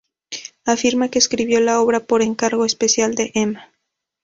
Afirma que escribió la obra por encargo especial de Emma.